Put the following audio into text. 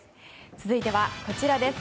続いてはこちらです。